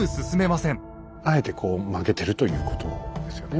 あえてこう曲げてるということですよね